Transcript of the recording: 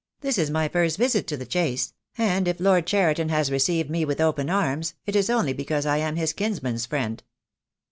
"This is my first visit to the Chase; and if Lord Cheriton has received me with open arms it is only because I am his kinsman's friend."